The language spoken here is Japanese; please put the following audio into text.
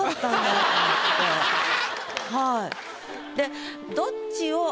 はい。